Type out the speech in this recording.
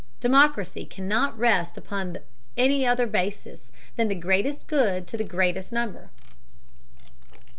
Democracy cannot rest upon any other basis than the greatest good to the greatest number.